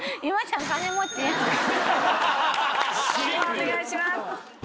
お願いします。